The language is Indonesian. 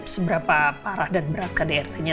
seberapa parah dan berat kdrt nya